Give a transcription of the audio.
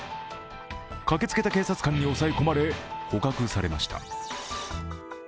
駆けつけた警察官に抑え込まれ捕獲されました。